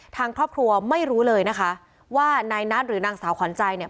ทางครอบครัวไม่รู้เลยนะคะว่านายนัทหรือนางสาวขวัญใจเนี่ย